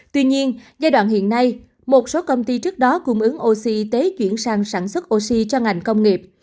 tuy nhiên giai đoạn hiện nay một số công ty trước đó cung ứng oxy chuyển sang sản xuất oxy cho ngành công nghiệp